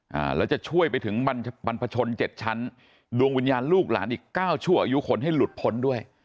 อ่าแล้วจะช่วยไปถึงบรรพชนเจ็ดชั้นดวงวิญญาณลูกหลานอีกเก้าชั่วอายุคนให้หลุดพ้นด้วย